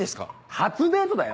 初デートだよ？